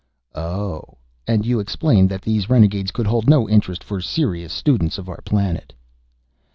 "Oh. And you explained that these renegades could hold no interest for serious students of our planet?"